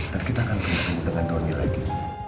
saya akan kembali dengan doni lagi